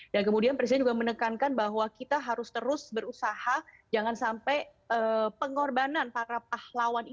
dan kemudian presiden juga menekankan bahwa kita harus terus berusaha jangan sampai pengorbanan